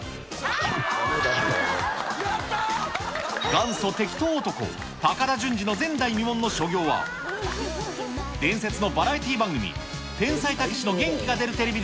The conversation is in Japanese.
元祖適当男、高田純次の前代未聞の所業は、伝説のバラエティー番組、天才・たけしの元気が出るテレビ！！